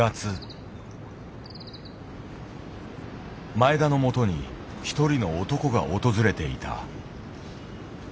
前田のもとに一人の男が訪れていた。